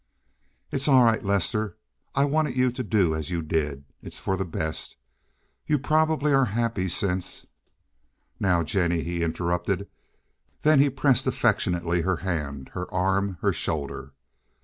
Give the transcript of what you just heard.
"It's all right, Lester. I wanted you to do as you did. It's for the best. You probably are happy since—" "Now, Jennie," he interrupted; then he pressed affectionately her hand, her arm, her shoulder.